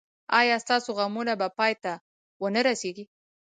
ایا ستاسو غمونه به پای ته و نه رسیږي؟